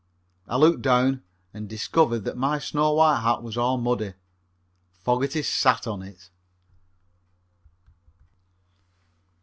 I looked down, and discovered that my snow white hat was all muddy. Fogerty sat on it.